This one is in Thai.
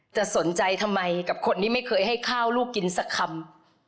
จะสนใจทำไมกับคนที่ไม่เคยให้ข้าวลูกกินสักคำ